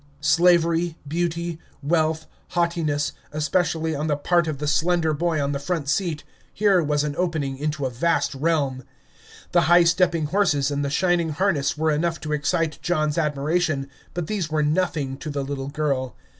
Slavery, beauty, wealth, haughtiness, especially on the part of the slender boy on the front seat, here was an opening into a vast realm. The high stepping horses and the shining harness were enough to excite John's admiration, but these were nothing to the little girl.